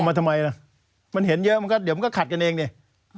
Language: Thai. มาทำไมล่ะมันเห็นเยอะมันก็เดี๋ยวมันก็ขัดกันเองนี่